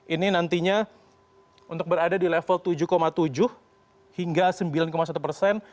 ini nantinya untuk berada di level tujuh tujuh hingga sembilan satu persen